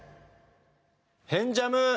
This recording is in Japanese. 「変ジャム」！